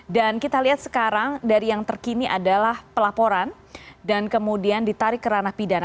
dan kita lihat sekarang dari yang terkini adalah pelaporan dan kemudian ditarik ke ranah pidana